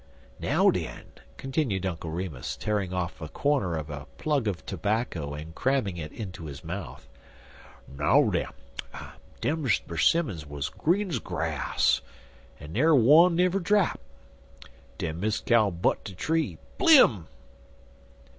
Now, den," continued Uncle Remus, tearing off the comer of a plug of tobacco and cramming it into his mouth "now, den, dem 'simmons wuz green ez grass, en na'er one never drap. Den Miss Cow butt de tree blim!